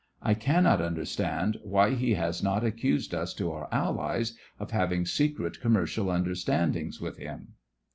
I cannot understand why he has not accused us to our AlHes of having secret commercial understandings with him.